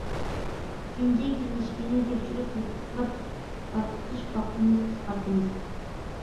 ئۈچىنچى، كىنىشكىنى تەكشۈرۈپ تەستىقلاپ، تارقىتىش ۋاقتىنى قىسقارتىمىز.